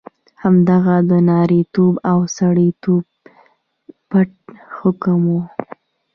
همدغه د نارینتوب او سړیتوب پت حکم وو.